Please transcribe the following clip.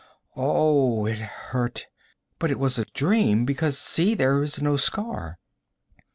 Oh, it hurt! But it was a dream, because see, there is no scar.'